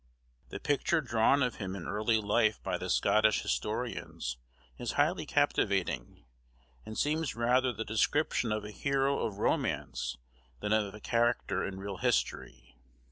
The picture drawn of him in early life by the Scottish historians is highly captivating, and seems rather the description of a hero of romance than of a character in real history.